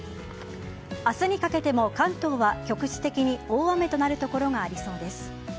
明日にかけても関東は局地的に大雨となる所がありそうです。